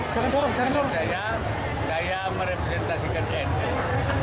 kebetulan saya merepresentasikan nu